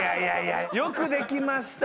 よくできました。